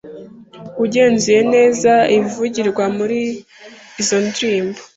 Ugenzuye neza ibivugirwa muri izo ndirimbo,